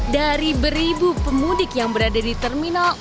dari beribu pemudik yang berada di terminal